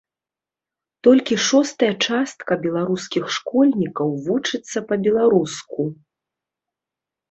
Толькі шостая частка беларускіх школьнікаў вучыцца па-беларуску.